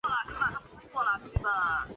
一级演员。